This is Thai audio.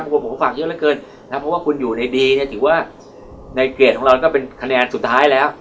ผมฝากเยอะแรกเกินเพราะว่าคุณอยู่ในดีถือว่าในเกลียดของเราก็เป็นคะแนนสุดท้ายแล้ว